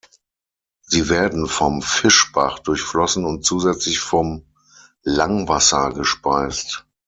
Sie werden vom Fischbach durchflossen und zusätzlich vom Langwasser gespeist.